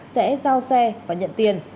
sẽ giao xe và nhận tiền